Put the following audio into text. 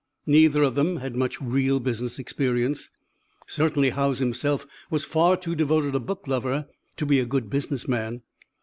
Neither of them had much real business experience. Certainly Howes himself was far too devoted a book lover to be a good business man!